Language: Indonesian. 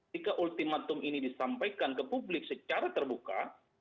jika ultimatum ini disampaikan ke publik secara terbuka